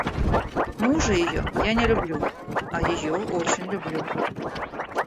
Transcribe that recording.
Мужа ее я не люблю, а ее очень люблю.